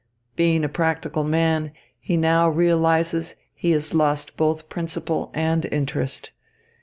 Being a practical man, he now realises he has lost both principal and interest.